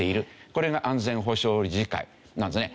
これが安全保障理事会なんですね。